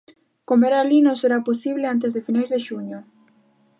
Comer alí non será posible antes de finais de xuño.